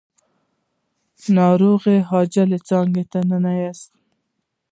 ناروغ يې په عاجله څانګه ننوېست.